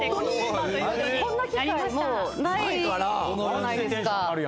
こんな機会もうないじゃないですか。